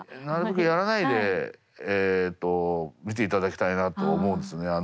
なるべくやらないでえっと見ていただきたいなと思うんですね。